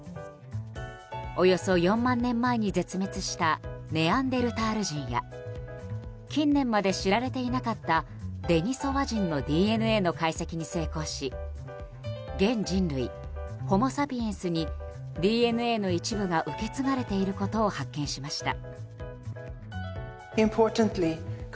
およそ４万年前に絶滅したネアンデルタール人や近年まで知られていなかったデニソワ人のＤＮＡの解析に成功し現人類ホモ・サピエンスにＤＮＡの一部が受け継がれていることを発見しました。